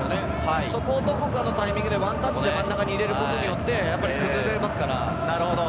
そこをどこかのタイミングでワンタッチで真ん中に入れることによって崩せます。